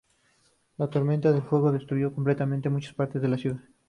La tormenta de fuego destruyó completamente muchas partes de la ciudad.